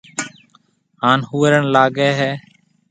ھان ھُروڻ لگائيَ ھيََََ